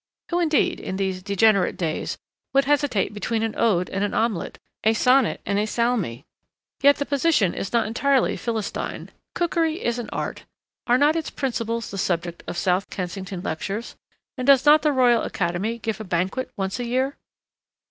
Who, indeed, in these degenerate days would hesitate between an ode and an omelette, a sonnet and a salmis? Yet the position is not entirely Philistine; cookery is an art; are not its principles the subject of South Kensington lectures, and does not the Royal Academy give a banquet once a year?